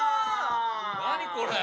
何これ！